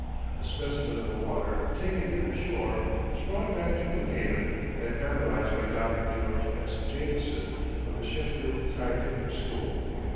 A specimen of the water, taken near the shore, was brought back to New Haven and analyzed by Dr. George S. Jamieson of the Sheffield Scientific School.